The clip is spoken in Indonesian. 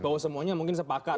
bahwa semuanya mungkin sepakat